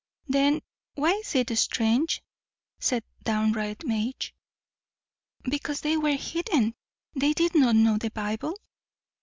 "Then why is it strange?" said downright Madge. "Because they were heathen; they did not know the Bible."